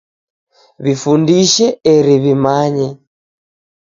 W'ifundishe eri w'imanye